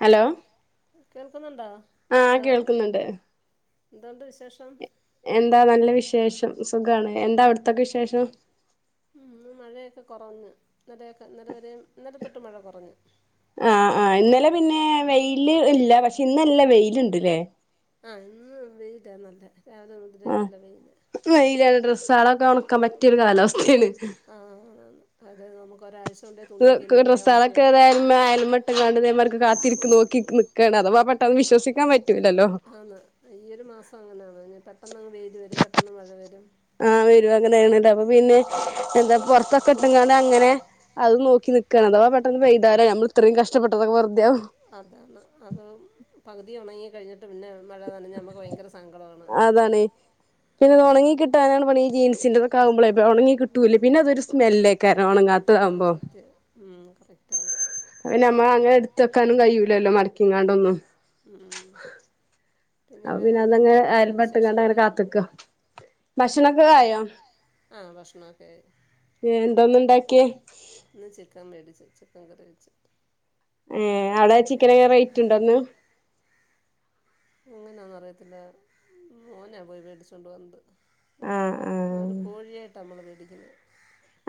Hello കേൾക്കുന്നുണ്ടോ ആ കേൾക്കുന്നുണ്ട് എന്തുകൊണ്ട് വിശേഷം എന്താ നല്ല വിശേഷം സുഖാണ് എന്താ അവിടത്തൊക്കെ വിശേഷം ഉ മഴയൊക്കെ കുറന്ന് ഇന്നലൊക്കെ നല്ലവര ഇന്നലെ തൊട്ട മഴ കുറഞ്ഞു ആഹ് ആഹ് ഇന്നലെ പിന്നെ വെയില് ഇല്ല പക്ഷെ ഇന്നല്ല വെൽുണ്ട്ല്ലേ ആ ഇന്ന വെയിൽ നല്ല രാവിലെ മുതലേ ആ നല്ല വെയിൽ മയില ഡ്രസ്സ ആളൊക്കെ കണക്കാൻ പറ്റിയൊരു കാലാവസ്ഥയാണ് ആ അത് നമുക്ക് ഒരാഴ്ച കൊണ്ടേ തുണിയൊക്കെ ഇന്നലെയാണ് സ്ഥലൊക്കെ ഉണക്കിയെടുത്ത് തായാലും ആയാലും മട്ട കണ്ട കാത്തിരിക്ക നോക്കി നിക്കുകാണ് അഥവാ പെട്ടെന്ന്ന്ന് വിശ്സിക്കാൻ പറ്റും ആാ ഈയ ഒരു മാസം അങ്ങനെയാണ് പെട്ടന്ന്ങ്ങ് പെയ്ത് വരും പെട്ടന്ന് മഴ വരും ആ വരുവാൊെ നേണണ്ട അപ്പൊ പിന്നെ എന്താ പുൊറത്തൊക്കെ പങ്ങാണ്ട് അങ്ങനെ അത് നോക്കി നിക്കക്കാ അഥവാ പെട്ടെന്ന് പെയ്താൽ നമ്മൾ ഇത്രയും കഷ്ടപ്പെട്ടൊക്കെുതാും അതാണ് അത് പകുതി ഉണങ്ങി കഴിഞ്ഞിട്ട് പിന്നെ മഴ നഞ്ഞാൽ നമുക്ക് ഭയങ്കര സങ്കടമാണ് പിന്നെതു ഉണങ്ങിട്ടാനാണ് പണി ഈ ജീൻസിന്റെറൊക്കെ ആകുമ്പോേ ഉണങ്ങി കിട്ടൂല്ല പിന്നെ അതരു ആ സ്മെല്ലൊക്കൊയിരുന്നു ഉണങ്ങൻ ആ സത്യം ഉം കറക്റ്റ് ആ അയിന് ഞമ്മള് അങ്ങനെ എടുത്ത വെക്കാനും കഴിയൂല്ലല്ലോ. മരക്കിങ്ങാണ്ടൊന്നും! ഉം! അ പിന്നെ വേറെന്തൊക്കെ അതങ്ങ് അല്ലാതെ അയാലും പെട്ടങ്ങണ്ട വിശേഷങ്ങൾ അങ്ങനെ കാത്തിക്കോ! ഭക്ഷണൊക്കെ വേറെ ആ ഭക്ഷണമൊക്കെ ആയി ആയഎന്തോന്ന് ഇണ്ടാക്കിയ? ഇന്ന് ചിക്കൻ മേടിച്ചു. ചിക്കൻ കറി വെച്ചു! ഏ അവിടെ ചിക്കനൊക്കെ റേറ്റ് ഉണ്ടെന്ന്? അങ്ങനെയന്നും അറിയത്തില്ല. മോനാ പോയി പേടിച്ചൊണ്ട് വന്നത്! ആഹ് ഒരു ആഹ് കോഴിയായിട്ടാ നമ്മള് മേടിക്കുന്നത്!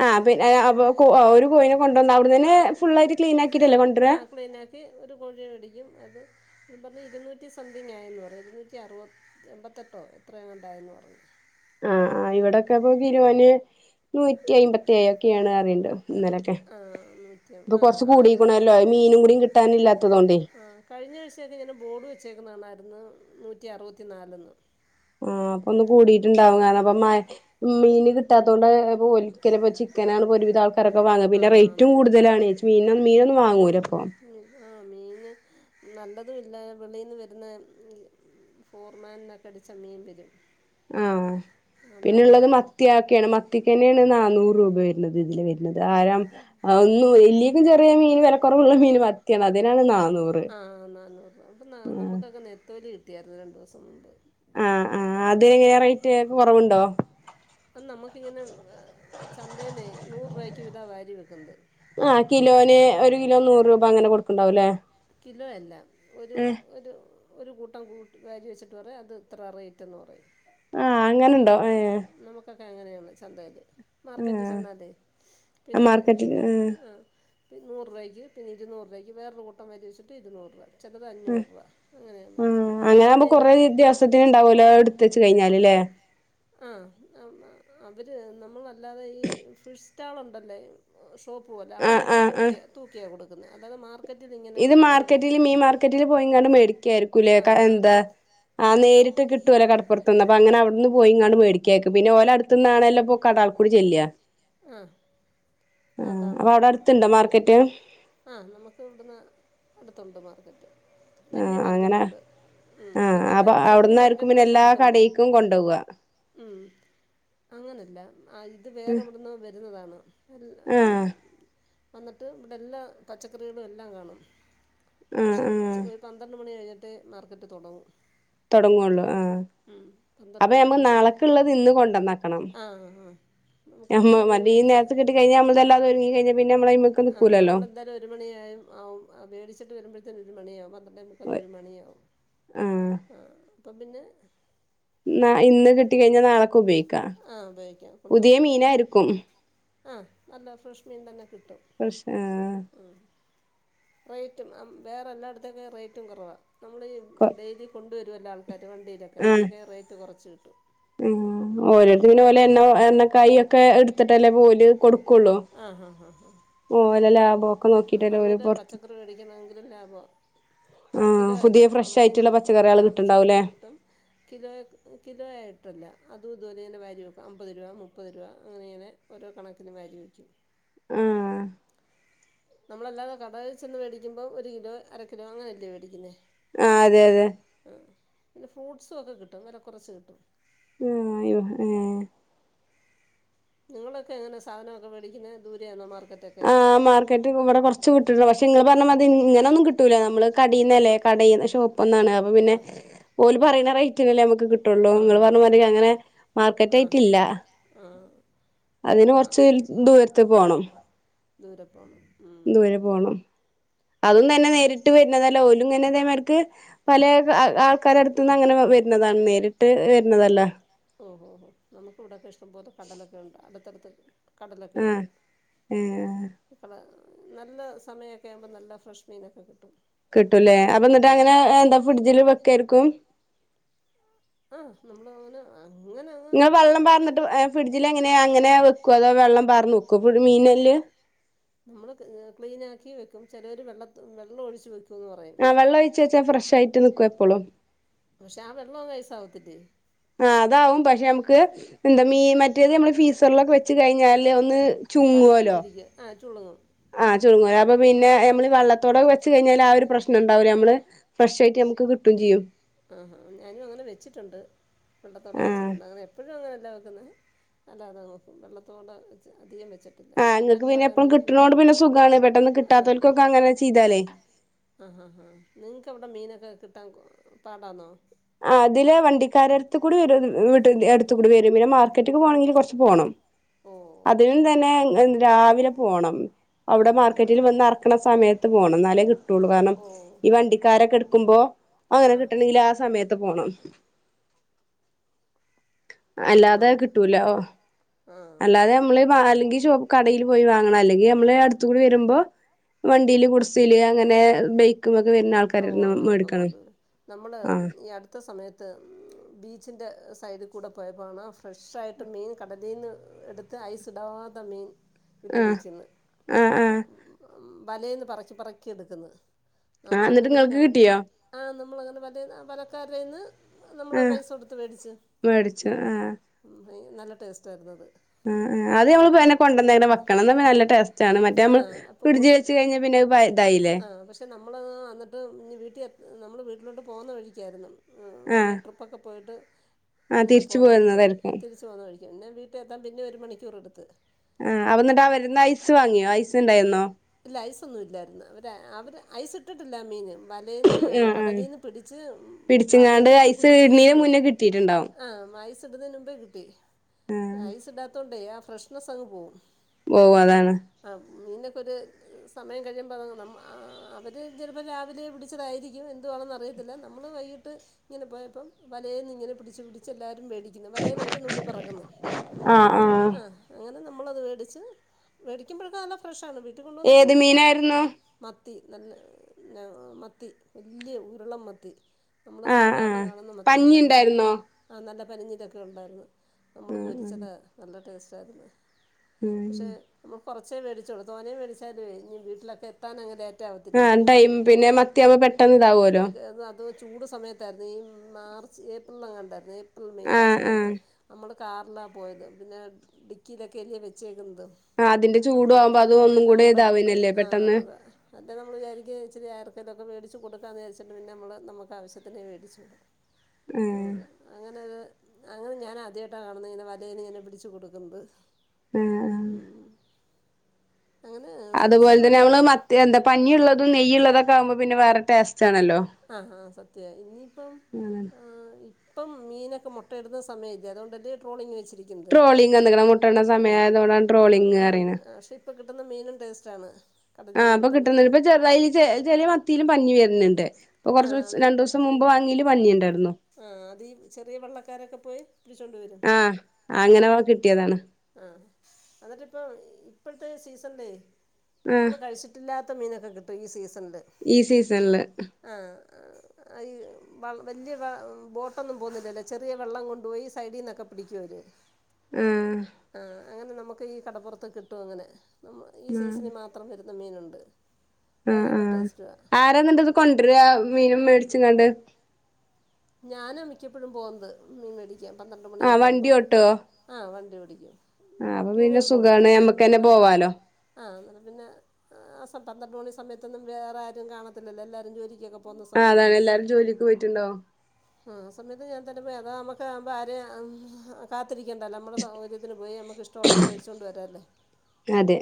ആ പിന്ന അ ഒരു കോയിനെ കൊണ്ടുവന്ന അവിടന്നെ ഫുള്ളയിട്ട് ക്ലീൻ ആക്കി! ആ ക്ലീനാക്കി ഒരു കോഴി മേടിക്കും. അത്! പറഞ്ഞ് ഇരുന്നൂറ്റി സംതിങ് ആയന്ന് പറഞ്ഞു. ഇരുന്നൂറ്റി അറുപ എൺപത്തെട്ടോ എത്രയെങ്ങാണ്ടായെന്ന് പറഞ്ഞു! ആ ആ ഇവിടെൊക്കെപ്പോ ഗരുവാന് നൂറ്റി അമ്പത്തിയേഴ് ഒക്കെയാണ് അറിയണ്ട്! ഇന്നലൊക്കെ ആ നൂറ്റി ഇപ്പൊ ആ കൊറച്ചു ആറ് കൂടിക്കണല്ലോ മീനും കൂടിയും കിട്ടാന ഇല്ലാത്തതോണ്ടേ! ആ കഴിഞ്ഞ ദിവസൊക്കെ ഇങ്ങനെ ബോർഡ് വെച്ചേക്കുന്ന കാണായിരുന്നു. നൂറ്റി അറുപത്തിനാലെന്ന്! ആഹ്! അപ്പൊ ഇന്ന് കൂടിട്ടുണ്ടാവും. കാരണം അപ്പൊ മീന് കിട്ടാത്തതു കൊണ്ട് ഒലിക്കല! ചനാണ് ഒരുവിധ ആൾക്കാരൊക്കെ വാങ്ങുന്നത്. ആ പിന്നെ റേറ്റും ആന്നാന്ന് കൂടുതലാണ് ചേച്ചി മീന മീനൊന്നും വാങ്ങൂല ഇപ്പൊ! ആഹ മീന് നല്ലതും ഇല്ല വെളിന്ന് വരുന്ന! ഫോർമാലിനൊക്കെ അടിച്ച മീൻ വരും! ആഹ്! അതാകുമ്പം പിന്നെള്ളത് മത്തിയാക്കിയാണ്. മത്തിക്ക് തന്നെയാണ് നന്നൂറ് രൂപ വരുന്നത്! ഇതില് വ അത് താരം ഒന്നും വലിയേക്കും ചെറിയ മീൻ വിലക്കറവുള്ള മീൻ മത്തിയാണ് അതിനാണ് നാ ആഹ് നന്നൂറ് രൂപ ഇപ്പൊ നമുക്കൊക്കെ നെത്തോലി കിട്ടിയായിരുന്നു. രണ്ടു ദിവസം മുമ്പ്! ആ ആ അതി റേറ്റ് കുറവുണ്ടോ? ഇങ്ങനേം ചന്തേന്നേ നൂറ് രൂപക്ക് ഇതാ വാരി വെക്കണ് ആഹ് കിലോന് ഒരു കിലോ നൂറ് രൂപ അങ്ങനെ കൊടുക്കണ്ടാവുംല്ലേ? കിലോയല്ല ഒരു ഏഹ് ഒരു! ഒരു കൂട്ടം കൂട്ട വാരിവെച്ചിട്ട് പറയും അത് ഇത്ര റേറ്റ്ന്ന് പറയും. ആ അങ്ങനെുണ്ടോ ഏ? അ അങ്ങനെയാണ് ചന്തേല് മാർക്കറ്റി ചെന്നാലെ പിന്നെ ഇത് മാർക്കറ്റിൽ ആ നൂറുരൂപയ്ക്ക് പിന്നെ ഇര്ന്നൂറ് രൂപക്ക് വേറൊരു കൂട്ടം വച്ചിട്ട് ഇര്ന്നൂറ് രൂപ! ചിലത് അഞ്ഞൂറ് രൂപ അങ്ങനെയാണ് ആ പിന്നെ അങ്ങനാവുമ്പോ ഈ കൊറെ വ്യത്യാസത്തിന് ഉണ്ടാവൂലെ എടുത്തെ! കഴിഞ്ഞാലല്ലേ? ആ! അവര് നമ്മളല്ലാതെ ഈ ഫിഷ് സ്റ്റാൾ ഉണ്ടല്ലോ? ഷോപ്പു പോലെ. ആ ആ അവിടെയാണ് ആ തൂക്കിയ തൂക്കിയാ കൊടുക്കുന്നത്. അല്ലാതെ മാർ ഇത് മാർക്കറ്റില് മീൻ മാർക്കറ്റില് പോയെങ്ങാനും മേടിക്കായിരിക്കൂല്ലേ? ആ ക്കാ എന്താ? മാർക്കറ്റ് ആ നേരി കിട്ടുവല്ലോ കടപ്പുറത്ത്നിന്ന് അങ്ങനെ അവിടുന്ന് പോയി എങ്ങാനുംമേടിക്കിയ രിക്കും പിന്നെ ഓല അടുത്തന്നാണെല്ല ഇ കടൽ കൂടി ചെല്ല. ആ അതാണ്! അപ്പൊ അവിടെ അടുത്തുണ്ടോ മാർക്കറ്റ് ആ! നമ്മക്ക് ഇവിടുന്ന്! അടുത്തുണ്ട് മാർക്കറ്റ്. ആ വലിയ അങ്ങനെ മാർക്കറ്റുണ്ട്. ആ പിന്നെ അപ്പൊ അല്ലാതെ ചെറിയ അവിടന്നായിരിക്കും മാർക്കറ്റ് പിന്നെ എല്ലാ തൊട്ടടുത്തുണ്ട് കടക്കും കൊണ്ട പോവാ! ഉം. അങ്ങനല്ല! ഇതെവിടുന്നോ വരുന്നതാണ്! ആ വന്നിട്ട് ഇവിടെ എല്ലാ പച്ചക്കറികളും എല്ലാം കാണും. ആ പക്ഷേ ആ ഉച്ച ഒരു പന്ത്രണ്ട് മണി കഴിഞ്ഞിട്ട്! ത്തെ മാർക്കറ്റ് തുടങ്ങും. തുടങ്ങള്ളൂ ആ ഉം. പന്ത്രണ്ട് അപ്പൊ മണിയായിട്ട് ഞമ്മള് ഒരു മ- നാളക്കള്ളത് ഇന്ന് കൊണ്ടന്നക്കണം! ആ ആ നമുക്ക് ഇന്ന് മ്മ പോയി ഈ മേടിച്ച് നേരത്തെ കിട്ടി കഴിഞ്ഞ നമ്മളതെല്ലാതും ഒരുങ്ങി കഴിഞ്ഞാ പിന്നെ നമ്മള വെക്കാൻ ആ നികൂല്ലല്ലോ! നമ്മളെന്തായാലും ഒരു [unintelligible] [unintelligible] അപ്പം പിന്നെ? ന ഇന്ന് കിട്ട കഴിഞ്ഞാ നാളക്കെ ഉപയോഗിക്കാം ആ ഉപയോഗിക്കാം കൊണ്ട് പുതിയ മീനരിക്കും ആ നല്ല ഫ്രഷ് മീൻ തന്നെ കിട്ടും ഫ്രഷ് ഏഹ് റേറ്റും വേറെ എല്ലായിടത്തേക്കെ റേറ്റും കുറവാാണ് നമ്മൾ കൊ ഡെയിലി കൊണ്ടുവരു എല്ല കരുവണ്ടിയിലൊക്കെ അതിനൊക്കെ റേറ്റ് കുറച്ച് കിട്ടും ഓരോരുത്തന പോലെ എണ്ണ എണ്ണക്കായ ഒക്കെ എടുത്തിട്ടല്ലേ പോല് കൊടു ആ ആ ആ ആ ഓല്ല ലാഭമൊക്കെ നോക്കിട്ടല്ലോ ഒരു പുൊറത്ത പച്ചക്കറി മേടിക്കണമെങ്കിലും ലാഭമാണ് കിലോ അല്ല അവിടെ പച്ചക്കറികള് ആ പച്ചക്കറി കിട്ടുണ്ടാവൂലേ കിട്ടും കിലോ കിലോ ആയിട്ട അല്ല അത് ഇതുോലെ ഇങ്ങനെ വാരി വെക്കും അമ്പത് രൂപ മുപ്പത് രൂ അങ്ങനെങ്ങനെ ഓരോണക്കിനും വാരി വയ്ക്കും ആ നമ്മളല്ലാതെ കട ചന്ന് മേടിക്കുമ്പോ ഒരു കിലോ അര കിലോ അങ്ങനെയല്ലേ മേടിക്കുന്നേ ആ അതെ അതെ പിന്നെ ഫ്രൂ്സും ഒക്കെ കിട്ടും വില കുറച്ച് കിട്ടും ആ ആയോ ആ നിങ്ങളൊക്കെ എങ്ങനെ സാധനമൊക്കെ മേടിക്കുന്നത് ദൂരയാന്നോ മാർക്കറ്റൊക്കെ ആ മാർക്കറ്റ് ഇവിടെ കുറച്ച് വിട്ടുണ്ട് പക്ഷെ നിങ്ങൾ പറഞ്ഞാ മതി ഇങ്ങനൊന്നും കിട്ടൂല നമ്മള് കടയിുന്നല്ലേ കടക്ഷെ ഓനാണ് അപ്പൊ പിന്നെ ഓല പറയുന്ന റേറ്റിനല്ലേ നമുക്ക് ള്ളൂ ആ നിങ്ങൾ ആ പറഞ്ഞ ആ മാതി അങ്ങനെ മാർക്കറ്റ് ആ ആയിട്ടില്ല ആ ഇത് അതിന് കൊറച്ച് ദൂരത്ത് പോണം ദൂരെ പോണം ദൂരെ പോണം അതും തന്നെ ഇവിടെ നേരിട്ട് വരുന്നതല്ല ഓലും ങ്ങനെ തേമാേർക്ക് പല ആൾക്കാര അടുത്തന്ന് അങ്ങനെ വരുന്നതാണ് നേരിട്ട് വരുന്നതല്ല ഓഹോ ഹോ നമുക്ക് ഇവിടെക്കെ ഇഷ്ടം പോലെ കടലൊക്കെ ഉണ്ട് അടുത്തടുത്ത ആ കടലൊക്കെയുണ്ട് ഏ കട നല്ല സമയമൊക്കെ ആകുമ്പോൾ നല്ല ഫ്രഷ് മീനൊക്കെ കിട്ടും കിട്ടൂല്ലേ അപ്പ എന്നിട്ട് ഉം. അങ്ങനെ എന്താ ഫ്രിഡ്ജില് വെക്കായിരിക്കും ആഹ നമ്മൾ അങ്ങനെ അങ്ങനെങ്ങ ങ്ങനെ വെക്ക അതോ വെള്ളം പാർണ വെക്കും മീനല് നമ്മള് ക്ലീന ആക്കി വെക്കും ചിലർ വെള്ള വെള്ളം ഒഴിച്ചച്ച് വെക്കും ആഹ് വെള്ളം ഒഴിച്ച വെച്ചാ ഫ്രഷ് ആയിട്ട് നിക്കും എപ്പോളും പക്ഷെ അവ വെള്ളോ വേസ്റ്റാവത്തില്ലേ ആ അതാവും പക്ഷെ നമുക്ക് എന്താ മീൻ മറ്റേത് നമ്മള് ഫീസള്ളൊക്കെ വെച്ച് കഴിഞ്ഞാല് ഒന്ന് തടി പോലിരിക്ക ആ ചുളുങ്ങും ആഹ ചു അപ്പൊ പിന്നെ നമ്മ ഈ വള്ളത്തടെ വെച്ച് കഴിഞ്ഞാ ആ ഒരു പ്രശ്നം ഉണ്ടാവില്ല നമ്മള് ഫ്രഷ് ആയിട്ട് നമുക്ക് കിട്ടും ചെയ്യും ആഹാ ഞാനും അങ്ങനെ വെച്ചിട്ടുണ്ട് പണ്ടത്തോടെ ആ വെച്ചിട്ടുണ്ട് അങ്ങനെ എപ്പോഴും അങ്ങനെ അല്ല വെക്കുന്നെ അല്ലാതെ നോക്കും വെള്ളത്തോടെ അതികം ആഹ് നിങ്ങക്ക് പിന്നെ എപ്പും കിട്ടുന്നതോണ്ട് പിന്നെ സുഖമാണ് പെട്ടെന്ന് കിട്ടാത്തവർക്കൊക്കെ അങ്ങനെ ചെയ്താലേ ആ ആഹാ നിങ്ങക്ക് അവിടെ മീനൊക്കെ കിട്ടാൻ പാടാന്നോ ആ അതില് വണ്ടിക്കാരടുത്ത് കൂടിവരും എടുത്തൂ വരും പിന്നെ മാർക്കറ്റ പോണെങ്കിൽ കുറച്ച് പോകണം ഓ അതിന തന്നെ രാവിലെ പോണം ആ അവിടെ ഹാ മാർക്കറ്റിൽ വന്ന്റക്കണ സമയത്ത് പോണം എന്നാലേ കിട്ടുള്ളൂ കാരണം ഓ ഈ വണ്ടിക്കാരൊക്കെ എടുക്കുമ്പോ അങ്ങനെ ആ കിട്ടണെങ്കിൽ ആ സമയത്ത് ത്ത് പോണം ആ അല്ലാതെ നമുക്ക് കിട്ടൂല ഓ ആ അല്ലാതെ നമ്മള് അല്ലെങ്കി കടൽ പോയി വാങ്ങണം അല്ലെങ്കിൽ നമ്മള് അടുത്ത കൂടി വരുമ്പോ വണ്ടിയില് കുർസിയില് അങ്ങനെ ബൈക്ക് ഓ അങ്ങനെയൊക്കെ കൊണ്ടുവരും നമ്മള് ആഹ് ഈ അടു ത്ത സമയത്ത് ബീച്ചിൻ്റെ സൈഡിൽ കൂടെ പോയപ്പോഴാണ് ഫ്രഷായിട്ട് മീൻ കടലിന്ന് എടുത്ത് ഐസടവാത മീൻ ആഹ് ഇട്ടുപീച്ചന്ന് ആഹ് ആഹ് വലേന്ന് പറക്കി പറക്കി എടുക്കുന്ന് ആ എന്നിട്ട് നിങ്ങൾക്ക് കിട്ടിയോ നമ്മളെങ്ങനെ വലേന്ന് വലക്കാരിടെന്ന് ആ മേടിച്ചു ആഹാ ഉം, നല്ല ടേസ്റ്റായിരുന്നത് ആ ആ അത് നമ്മള് മീനെ കൊണ്ടേന്ന് വെക്കണം നല്ല ടേസ്റ്റ് ആണ് മറ്റേ ആ നമ്മള് അപ്പൊ കൊ ഫ്രിഡ്ജ് വെച്ച് കഴിഞ്ഞാ പിന്നെ അത് പ ഇതായില്ലേ ആ പക്ഷെ നമ്മള് അത് വന്നിട്ട് ഇങ്ങു വീട്ടിൽ എ നമ്മള് വീട്ടിലോട്ട് പോകുന്ന വഴിക്കായിരുന്നു ഒരു ആഹ് ട്രിപ്പൊക്കെ പോയിട്ട് ആഹ് ഇങ്ങനെ തിരിച്ചു പോന്ന പോരുന്നതായിരിക്കും വഴിക്കാന്ന് തിരിച്ചു വഴിക്കാണ് പിന്നെ വീട്ടിലെത്താൻ പിന്നെ ഒരു മണിക്കൂർ എടുത്ത് ആ എന്നിട്ട് ആ വരുന്ന ഐസ് വാങ്ങിയോ ഐസ് ഉണ്ടായിരുന്നോ ഐസ് ഒന്നും ഇല്ലായിരുന്നു അവര് അവര് ഐസ് ഇട്ടിട്ടില്ല മീൻ വലേന്ന് ആഹ് ആഹ് കടലിന്ന് പിടിച്ച് പിടിച്ചിങ്ങാണ്ട് വലക്കാകത്ത് ഐസ് കുരുങ്ങി ഇടുന്നീന് ഇരിക്കുവാ മുന്നേ കിട്ടിയിട്ടുണ്ടാവും ആ ഐസ് ഇടുന്നതിനു മുമ്പേ കിട്ടി ഐസ് ഇടാത്തോണ്ടേ ആ ഫ്രഷ്നസ്സ് അങ്ങ് പോവും പോകും അതാണ് ആ മീനിനൊക്കെ ഒരു സമയം കഴിയുമ്പോൾ അതങ്ങ് അവര് ചിലപ്പോൾ രാവിലെ പിടിച്ചതായിരിക്കും എന്തുവാണെന്ന് അറിയത്തില്ല നമ്മ നമ്മൾ വൈകിട്ട് ഇങ്ങനെ പോയപ്പം വലേന്ന് ഇങ്ങനെ പിടിച്ച് പിടിച്ച് എല്ലാ വേടിക്കുന്നെ വലേന്ന് അവര് നുള്ളി പറക്കുന്ന് ആഹ് ആഹ് ആ അങ്ങനെ നമ്മ നമ്മള് അത് മേടിച്ച് വേടിക്കുമ്പോഴക്കെ നല്ല ഫ്രഷാണ് വീട്ടിൽ കൊണ്ടുവന്നിട്ടും ഏത് മ മീനായിരുന്നു മത്തി നല്ല മത്തി വലിയ ഉരുളം മത്തി നമ്മള് ആഹ് സാധാരണ ആഹ് കാണുന്ന പഞ്ഞി മത്തിയല്ല ഉണ്ടായിരുന്നോ ആ നല്ല പരിഞ്ഞിലൊക്കെ ഉണ്ടാരുന്ന് നമ്മള് ആഹ് ആഹ് പൊരിച്ചതാ നല്ല ടേസ്റ്റാരുന്ന് പക്ഷെ ഉം ന കൊറച്ചേ വേടിച്ചോളൂ തോനെ വേടിച്ചാലുമേ ഇനി വീട്ടിലൊക്കെ എത്താൻ അങ്ങനെ ആ ടൈം പിന്നെ മത്തിയാവുമ്പോ പെട്ടെന്ന് ഇതാവല്ലോ അത് ചൂട് സമയത്തായിരുന്നു ഈ മാർച്ച് ഏപ്രിൽ എങ്ങാണ്ടായിരുന്നു ഏപ്രിൽ മെയില് ആ ആഹ് ആഹ് സമയത്ത് നമ്മള് കാറിലാ പോയത് പിന്നെ ഡിക്കിയിലൊക്കെയല്ലേ വെച്ച് ആ അതിന്റെ ചൂട് ആവുമ്പോ അതു അങ്ങ് എല്ലാം കൂടെ കൊണ്ട് ആ അതാ അല്ലെ നമ്മൾ വിചാരിക്കും ഇച്ചിരി ആർക്കെലൊക്കെ മേടിച്ച് വെച്ച് കൊടുക്കാന്ന് വിചാരിച്ചിട്ട് പിന്നെ നമ്മള് നമ്മക്ക് ആവശ്യത്തിനേ മേടിച്ചു ഉം അത് അങ്ങനെ ഞാൻ ആദ്യയിട്ടാണ് കാണുന്നേ ഇങ്ങനെ വലേന്ന് ഇങ്ങനെ പിടിച്ച് കൊടുക്കുന്നത് ആ ആ അങ്ങനെ അതുപോലെ തന്നെ സീസൺ നമ്മള് മത്തി എന്താ പഞ്ഞിയുള്ളതും നെയ്യുള്ളതൊക്കെ ആകുമ്പോ പിന്നെ വേറെ ടേ സ്റ്റ് ആണല്ലോ ത്തെ ഇനി അങ്ങനെ ഇപ്പം മീനൊക്കെ മുട്ടയിടുന്ന സമയല്ലേ അതുകൊണ്ടല്ലേ ട്രോളിങ് വെച്ചി രിക്കുന്നത് ട്രോളിങ് വന്ന്ക്ക്ണ് മുട്ടട്ണ മു സമയായതോണ്ടാണ് ആ ട്രോളിങ് പക്ഷേ ഇപ്പൊ കിട്ടുന്ന മീനും ടേസ്റ്റ് ആണ് ആ അപ്പൊ കിട്ടുന്നണ്ട് ഇപ്പൊ ചെറുതായി ചെറിയ മത്തിയിലും പഞ്ഞി വരു ന്നുണ്ട് കുറച്ചു രണ്ടു ദിവസം മുമ്പ് വാങ്ങിയേല് പഞ്ഞിഉണ്ടാരുന്നു ആ അതീ ചെറിയ വള്ളക്കാരൊക്കെ പോയി പിടിച്ചോണ്ട് വരും ആ അങ്ങനെവാ കിട്ടിയതാണ് ആ എന്നിട്ട് ഇപ്പം ഇപ്പോഴത്തെ ഈ സീസണില്ലേ ആഹ് നമ്മള് കഴിച്ചിട്ടില്ലാത്ത മീനൊക്കെ കിട്ടും ഈ സീസനിൽ ഈ സീസണ്ല് ആ അയ് വലിയ ബോട്ടൊന്നും പോന്നുന്നില്ലല്ലോ ചെറിയ വള്ളം കൊണ്ടുപോയി സൈഡിന്ന് ഒക്കെ പിടിക്കും അവര് ആ ആ അങ്ങനെ നമുക്ക് ഈ കടപ്പുറത്ത് കിട്ടും അങ്ങനെ നാമ് ഈ സീസണിൽ മാത്രം വരും മീനുണ്ട് ആ അത് ആ നല്ല ടേസ്റ്റുമാണ് ആരാ എന്നിട്ട് അത് കൊണ്ടുവരാ മീനും മേടിച്ചങ്ങാണ്ട് ഞാനാ മിക്കപ്പോഴും പോനത് മീൻ മേടിക്കാൻ പന്ത്രണ്ട് ആഹ് മണിയക്കെ വണ്ടി ആവുമ്പോം ഓട്ടോ ആ വണ്ടി ഓടിക്കും ആഹ് അപ്പൊ ടു പിന്നെ വീലർ ഓടിക്കും സുഖാണ് ഞമ്മക്കന്നെ ആ പോവാലോ ആ അന്നരം പിന്നെ ആ സം പന്ത്രണ്ട്മണി സമയത്തൊന്നുംവേറെ ആരും കാണത്തില്ലല്ലോ എല്ലരും ജോലിക്കൊക്കെ പോകുന്ന ആ അതാണ് സമയമല്ലേ എല്ലാരും ജോലിക്ക് പോയിട്ടുണ്ടവും ആ സമയത്ത് ഞാൻ തന്നെ പോയി അതാ നമ്മക്കമ്പം ആരെയും കാ ത്തിരിക്കണ്ടല്ലോ നമ്മുടെ സൗകര്യത്തിന് പോയി നമ്മുക്ക് ഇഷ്ടവൊള്ളത് വേടിച്ചോണ്ട് വരല്ലോ അതെ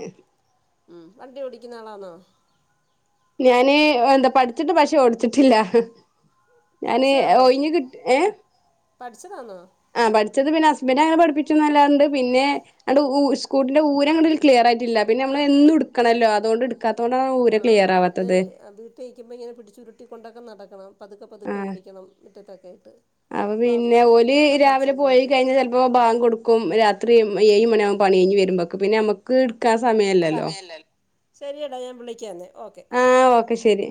ഉം വണ്ടി ഓടിക്കുന്ന ആളാന്നോ ഞാന് എന്താ പഠിച്ചിട്ട് പക്ഷെ ഓടിച്ചിട്ടില്ല ഞാന് പഠിച്ചതാണോ ഒഴിഞ് കിട്ട് ഏ പഠിച്ചതാന്നോ ആ പഠിച്ചത് പിന്നെ പിന്നെ അനെ പഠിപ്പിച്ച നല്ലാണ്ട് പിന്നെ അ ഊ സ്കൂട്ടിന്റെ ഊര അങ്ങൂ ഒരു ക്ലിയർ ആയിട്ടില്ല പിന്നെ നമ്മൾ എന്ത് എടുക്കണല്ലോ അതൊണ്ട് എഡ് ആ അതെ വീട്ടിക്കുമ്പോ ഇങ്ങനെ പിടിച്ചുരുട്ടി കൊണ്ടൊക്കെ നടക്കണം പതുക്കെ ആ പതുക്കെ ഓടിക്കണം മിറ്റതൊക്കെ അപ്പൊ പിന്നെ ഒല് രാവിലെ പോയി പോകത്തില്ല കഴിഞ്ഞൽ ചിലപ്പോ ഭാഗ്‌ കൊടുക്കും രാത്രി ഏഴു മണിയാവും പണിഴഞ്ഞ് വരുമ്പോക്ക് പിന്നെ നമ്മക്ക് എടക്കാൻ സമയല്ലല്ലോ ശരിയടാ ഞാൻ വിളിക്കന്ന ആ ഓക്കെ ശെരി